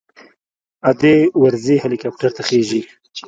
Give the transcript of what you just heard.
ادې ورځي هليكاپټر ته ورخېژي.